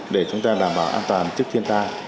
để chúng ta đảm bảo an toàn trước thiên tai